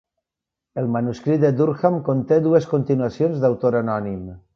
El manuscrit de Durham conté dues continuacions d'autor anònim.